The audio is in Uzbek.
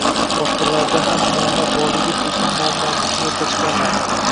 Boshqalarda ham muammo borligi bizning muammoimizni yo‘qqa chiqarmaydi.